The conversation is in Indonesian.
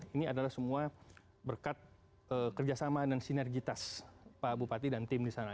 ini adalah semua berkat kerjasama dan sinergitas pak bupati dan tim di sana